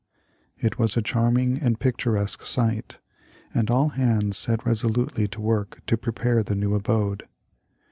It was a charming and picturesque site, and all hands set resolutely to work to prepare the new abode.